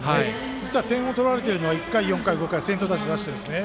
実は点を取られているのは１回、４回、５回先頭打者、出してるんですね。